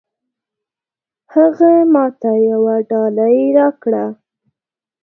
هغه ماته يوه ډالۍ راکړه.